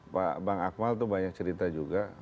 pak bang akmal tuh banyak cerita juga